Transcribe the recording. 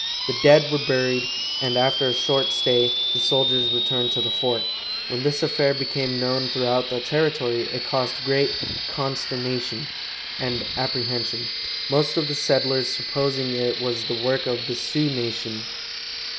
The dead were buried, and after a short stay, the soldiers returned to the fort. When this affair became known throughout the territory it caused great consternation and apprehension, most of the settlers supposing it was the work of the Sioux nation.